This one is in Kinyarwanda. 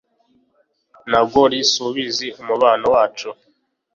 na golly subiza umubano wacu